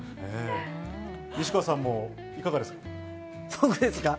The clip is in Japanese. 西川さんはいかがですか？